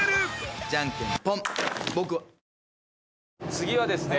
次はですね。